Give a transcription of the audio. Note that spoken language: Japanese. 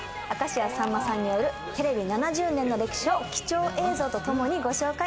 明石家さんまさんによるテレビ７０周年の歴史を貴重映像とともにご紹介。